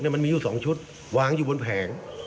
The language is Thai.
มันมีอยู่๒ชุดวางอยู่บนแผง